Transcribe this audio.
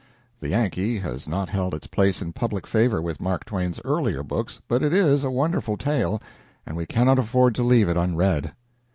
The "Yankee" has not held its place in public favor with Mark Twain's earlier books, but it is a wonderful tale, and we cannot afford to leave it unread.